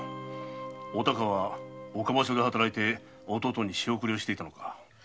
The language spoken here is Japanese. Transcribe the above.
お孝は岡場所で働いて弟に仕送りをしていたのか。